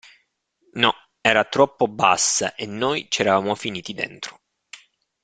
No, era troppo bassa, e noi ci eravamo finiti dentro.